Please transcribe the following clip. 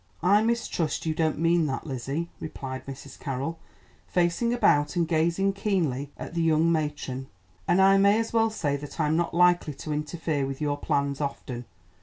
"I mistrust you don't mean that, Lizzie," replied Mrs. Carroll, facing about and gazing keenly at the young matron, "and I may as well say that I'm not likely to interfere with your plans often.